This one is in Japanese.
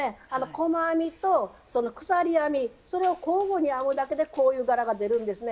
細編みと鎖編みそれを交互に編むだけでこういう柄が出るんですね。